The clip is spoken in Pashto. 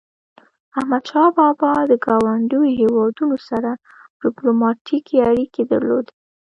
احمدشاه بابا د ګاونډیو هیوادونو سره ډیپلوماټيکي اړيکي درلودی.